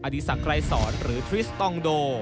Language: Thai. อดีศกรายสรรค์หรือทริสตองโด